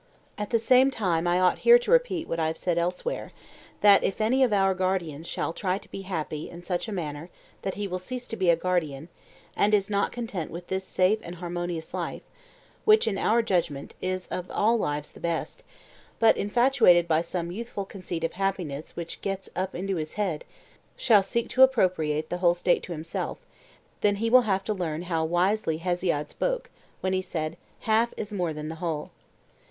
At the same time I ought here to repeat what I have said elsewhere, that if any of our guardians shall try to be happy in such a manner that he will cease to be a guardian, and is not content with this safe and harmonious life, which, in our judgment, is of all lives the best, but infatuated by some youthful conceit of happiness which gets up into his head shall seek to appropriate the whole state to himself, then he will have to learn how wisely Hesiod spoke, when he said, 'half is more than the whole.